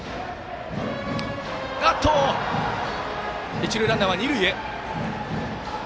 一塁ランナーは二塁へ。